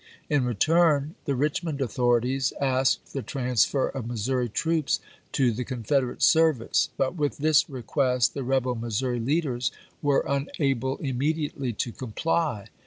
In return, the PjJ^3o Richmond authorities asked the transfer of Mis *°De^o*;\\°°' souri troops to the Confederate service; but with yoi. viiLi" this request the rebel Missomi leaders were unable ^'''"" immediately to comply.